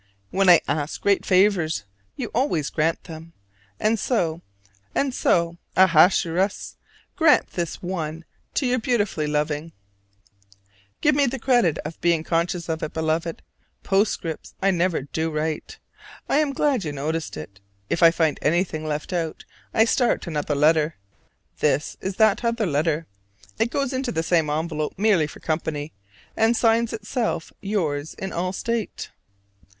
When I ask great favors you always grant them; and so, Ahasuerus, grant this little one to your beautifully loving. Give me the credit of being conscious of it, Beloved: postscripts I never do write. I am glad you noticed it. If I find anything left out I start another letter: this is that other letter: it goes into the same envelope merely for company, and signs itself yours in all state.